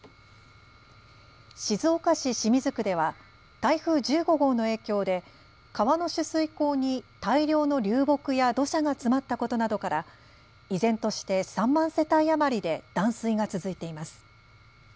静岡市清水区では台風１５号の影響で川の取水口に大量の流木や土砂が詰まったことなどから依然として３万世帯余りで断水が続いています。